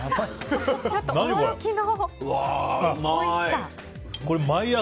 ちょっと驚きのおいしさ。